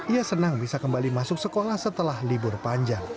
ia senang bisa kembali masuk sekolah setelah libur panjang